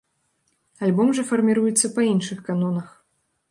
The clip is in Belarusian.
Альбом жа фарміруецца па іншых канонах.